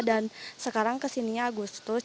dan sekarang kesininya agustus